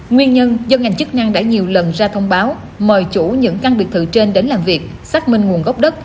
nguyên nhân do ngành chức năng đã nhiều lần ra thông báo mời chủ những căn biệt thự trên đến làm việc xác minh nguồn gốc đất